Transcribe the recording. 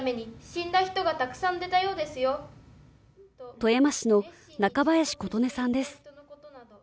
富山市の中林琴音さんです。